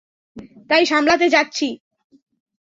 তাই সামলাতে যাচ্ছি।